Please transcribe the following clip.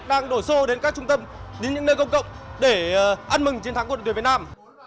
đang đổ xô đến các trung tâm đến những nơi công cộng để ăn mừng chiến thắng của đội tuyển việt nam